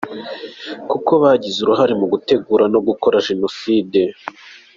Kuko bagize uruhare mu gutegura no gukora Jenoside".